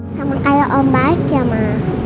sama kayak om baik ya ma